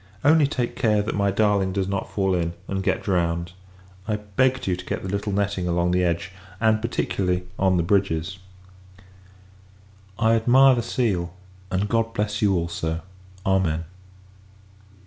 Only take care, that my darling does not fall in, and get drowned. I begged you to get the little netting along the edge; and, particularly, on the bridges. I admire the seal; and God bless you, also! Amen.